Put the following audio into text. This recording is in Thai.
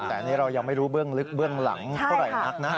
แต่อันนี้เรายังไม่รู้เบื้องหลังเท่าไรนักนะ